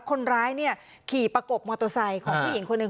คนร้ายเนี่ยขี่ประกบมอเตอร์ไซค์ของผู้หญิงคนหนึ่ง